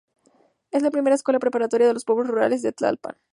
Es la primera escuela preparatoria de los pueblos rurales de Tlalpan.